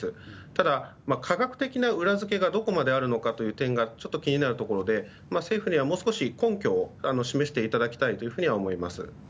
ただ、科学的な裏付けがどこまであるのかという点がちょっと気になるところで政府には、もう少し根拠を示していただきたいとは思います。